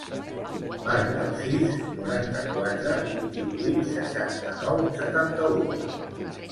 Marca el sis, noranta-quatre, vint-i-vuit, seixanta-nou, setanta-u.